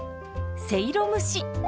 せいろ蒸し。